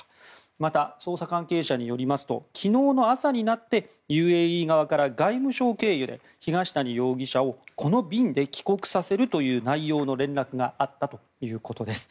また、捜査関係者によりますと昨日の朝になってＵＡＥ側から外務省経由で東谷容疑者をこの便で帰国させるという内容の連絡があったということです。